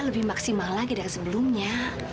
lebih maksimal lagi dari sebelumnya